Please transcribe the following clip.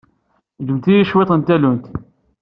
Ǧǧemt-iyi cwiṭ n tallunt.